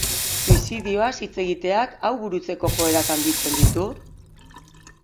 Suizidioaz hitz egiteak hau burutzeko joerak handitzen ditu?